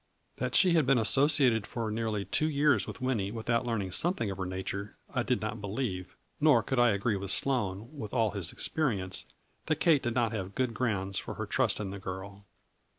That she had been associated for nearly two years with Winnie without learning something of her nature, I did not believe, nor could I agree with Sloane, with all his experience, that Kate did not have good grounds for her trust in the girl.